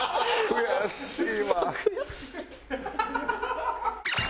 悔しい。